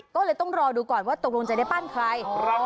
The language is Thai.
ก็เลยต้องรอดูก่อนว่าตกลงจะได้ปั้นใคร